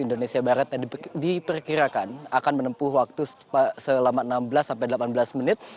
indonesia barat yang diperkirakan akan menempuh waktu selama enam belas sampai delapan belas menit